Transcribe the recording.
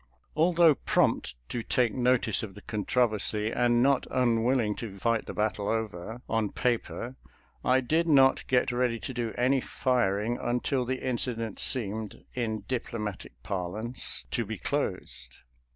Al though prompt to take notice of the controversy and not unwilling to " fight the battle over " on paper, I did not get ready to do any firing until the incident seemed, in diplomatic parlance, " to be closed."